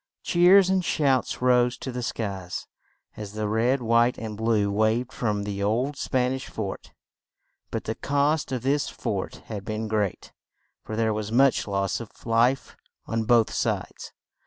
Cheers and shouts rose to the skies as the red, white and blue waved from the old Span ish fort; but the cost of this fort had been great, for there was much loss of life on both sides.